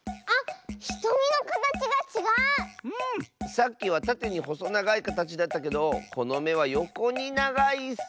さっきはたてにほそながいかたちだったけどこのめはよこにながいッス！